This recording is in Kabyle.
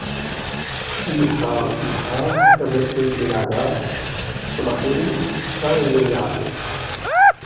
Iha, iha tamuqint n naɛnaɛ, cceḍḥ-im ass-a iwenneɛ.